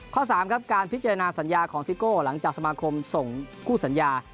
๓ครับการพิจารณาสัญญาของซิโก้หลังจากสมาคมส่งคู่สัญญา